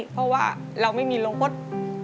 เพราะว่าเราไม่มีโรงพสตร์